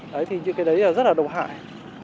đấy thì những cái đấy là rất là độc hại